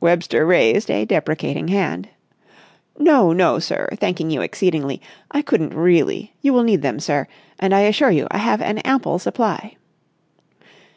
Webster raised a deprecating hand. "No, no, sir, thanking you exceedingly, I couldn't really! You will need them, sir, and I assure you I have an ample supply."